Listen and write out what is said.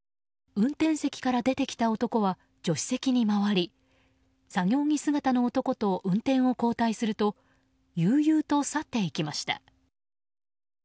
運転席から出てきた男は助手席に回り作業着姿の男と運転を交代すると悠々と去っていきました。